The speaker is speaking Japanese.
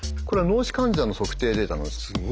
これは脳死患者の測定データなんです。